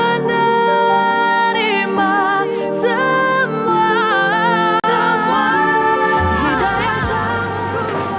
aku bener bener orang ternyata yang baik